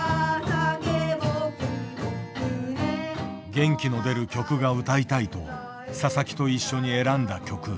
元気の出る曲が歌いたいと佐々木と一緒に選んだ曲。